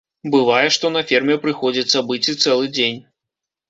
Бывае, што на ферме прыходзіцца быць і цэлы дзень.